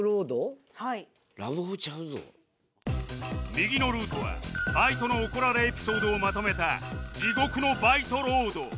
右のルートはバイトの怒られエピソードをまとめた地獄のバイトロード